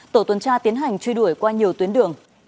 tổ tuần tra tiến hành truy đuổi qua nhiều tuyến đường